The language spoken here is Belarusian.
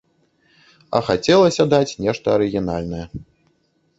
А хацелася даць нешта арыгінальнае.